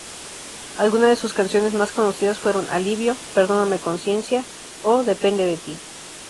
Algunas de sus canciones más conocidas fueron "Alivio", "Perdóname conciencia" o "Depende de ti".